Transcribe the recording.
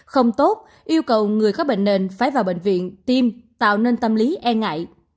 không tốt yêu cầu người có bệnh nền phải vào bệnh viện tim tạo nên tâm lý e ngại